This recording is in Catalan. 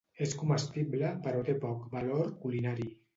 És comestible però té poc valor culinari.